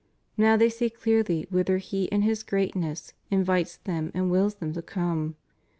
Now they see clearly whither He in His goodness invites them and wills them to come.